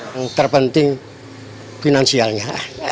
yang terpenting finansialnya